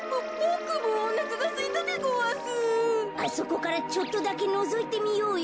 あそこからちょっとだけのぞいてみようよ。